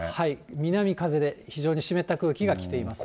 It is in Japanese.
南風で非常に湿った空気が来ていますね。